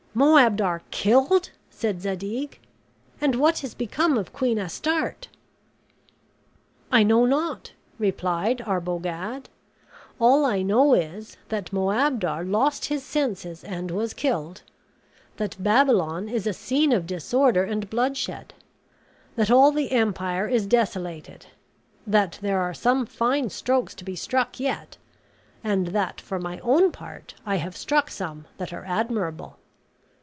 "Moabdar killed!" said Zadig, "and what is become of Queen Astarte?" "I know not," replied Arbogad. "All I know is, that Moabdar lost his senses and was killed; that Babylon is a scene of disorder and bloodshed; that all the empire is desolated; that there are some fine strokes to be struck yet; and that, for my own part, I have struck some that are admirable."